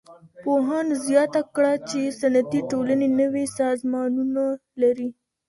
پوهانو زياته کړه چي صنعتي ټولني نوي سازمانونه لري.